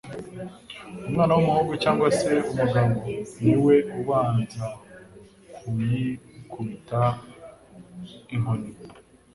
Umwana w’umuhungu cyangwa se umugabo, niwe ubanza kuyikubita inkoni,